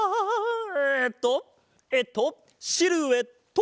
えっとえっとシルエット！